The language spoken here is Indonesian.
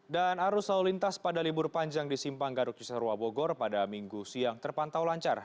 arus lalu lintas pada libur panjang di simpang garuk cisarua bogor pada minggu siang terpantau lancar